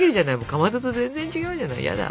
かまどと全然違うじゃないヤダ。